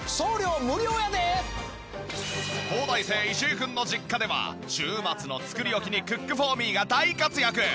東大生石井君の実家では週末の作り置きにクックフォーミーが大活躍！